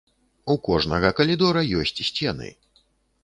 У кожнага калідора ёсць сцены.